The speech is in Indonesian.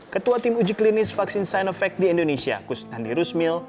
ketua tim uji klinis vaksin sinovac di indonesia kusnandi rusmil